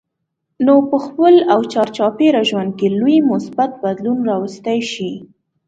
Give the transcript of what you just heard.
نو په خپل او چار چاپېره ژوند کې لوی مثبت بدلون راوستی شئ.